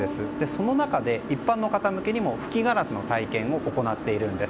その中で一般の方向けにも吹きガラスの体験を行っているんです。